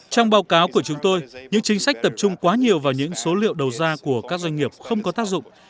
trong báo cáo của chúng tôi những chính sách tập trung quá nhiều vào những số liệu đầu ra của các doanh nghiệp không có tác dụng